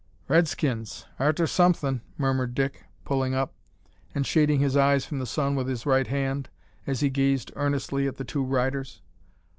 "Redskins arter somethin'," murmured Dick, pulling up, and shading his eyes from the sun with his right hand, as he gazed earnestly at the two riders.